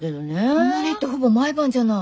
たまにってほぼ毎晩じゃない。